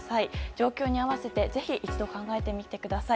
状況に合わせてぜひ一度考えてみてください。